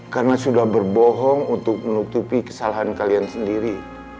karena sudah berbohong untuk menutupi kesalahan kalian sendiri